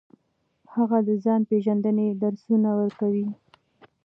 هغه د ځان پیژندنې درسونه ورکوي.